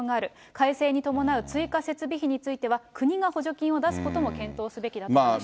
改正に伴う追加設備費については、国が補助金を出すことも検討すべきだとしています。